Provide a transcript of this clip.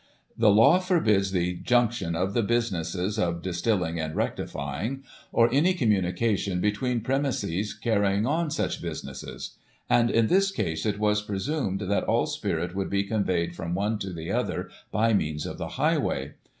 The law forbids the junction of the businesses of dis tilling and rectifying, or any communication between premises carrying on such businesses ; and, in this case, it was presumed that all spirit would be conveyed from one to the other by means of the highway.